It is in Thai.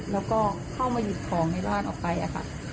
แล้วก็เข้ามาหยิบของในบ้านออกไปค่ะ